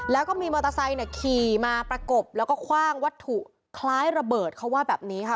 แล้วก็มีมอเตอร์ไซค์ขี่มาประกบแล้วก็คว่างวัตถุคล้ายระเบิดเขาว่าแบบนี้ค่ะ